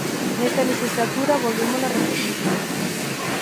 Nesta lexislatura volvémola repetir.